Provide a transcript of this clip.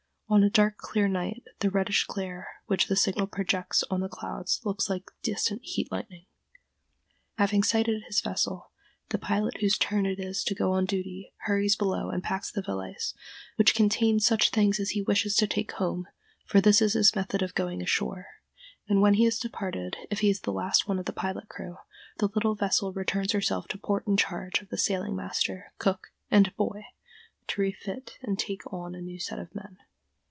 On a dark clear night, the reddish glare which the signal projects on the clouds looks like distant heat lightning. Having sighted his vessel, the pilot whose turn it is to go on duty hurries below and packs the valise which contains such things as he wishes to take home, for this is his method of going ashore; and when he has departed, if he is the last one of the pilot crew, the little vessel returns herself to port in charge of the sailing master, cook, and "boy," to refit and take on a new set of men.